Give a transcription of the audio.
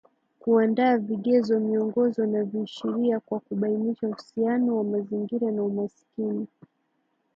Kuandaa vigezo miongozo na viashiria vya kubainisha uhusiano wa mazingira na umaskini